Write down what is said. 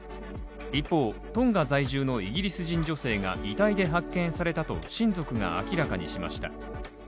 一方、トンガ在住のイギリス人女性が遺体で発見されたと親族が明らかにしました。